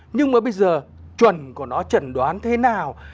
nhưng mà bây giờ chuẩn của nó trần đoán thế nào